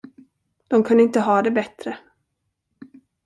De kunde inte ha det bättre.